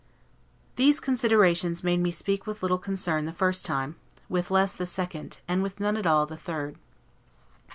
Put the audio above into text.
These considerations made me speak with little concern the first time, with less the second, and with none at all the third.